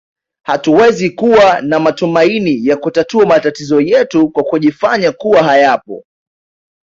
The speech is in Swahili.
Hatuwezi kuwa na matumaini ya kutatua matatizo yetu kwa kujifanya kuwa hayapo